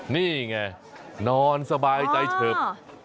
นี่ไงนอนสบายใจเฉิบ